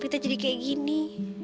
kita jadi kayak gini